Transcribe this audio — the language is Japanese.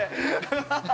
ハハハハ。